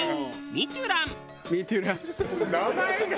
「水戸ュラン」「名前が」